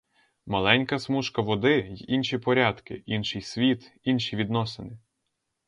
Маленька смужка води — й інші порядки, інший світ, інші відносини.